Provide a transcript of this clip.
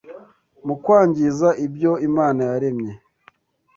mu kwangiza ibyo Imana yaremye,